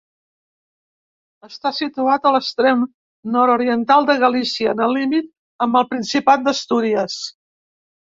Està situat en l'extrem nord-oriental de Galícia, en el límit amb el Principat d'Astúries.